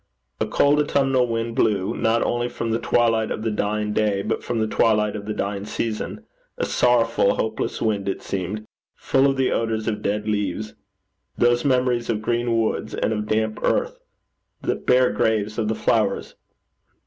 A cold autumnal wind blew, not only from the twilight of the dying day, but from the twilight of the dying season. A sorrowful hopeless wind it seemed, full of the odours of dead leaves those memories of green woods, and of damp earth the bare graves of the flowers.